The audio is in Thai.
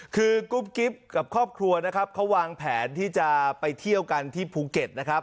กุ๊บกิ๊บกับครอบครัววางแผนที่จะไปเที่ยวกันที่ภูเก็ต